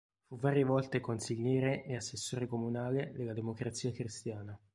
Fu varie volte consigliere e assessore comunale della Democrazia Cristiana.